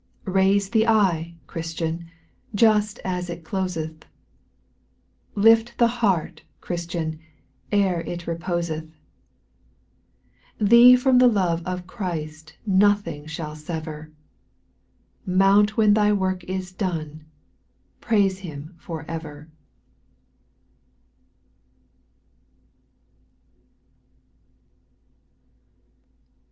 8. Haise the eye, Christian, just as it closeth ; Lift the heart, Christian, ere it reposeth ; Thee from the love of Christ nothing shall sever, Mount when thy work is done, — upraise Him for ever.